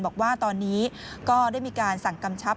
บอกว่าตอนนี้ก็ได้มีการสั่งกำชับ